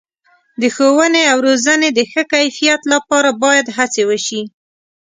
د ښوونې او روزنې د ښه کیفیت لپاره باید هڅې وشي.